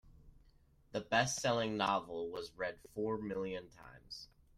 The bestselling novel was read four million times.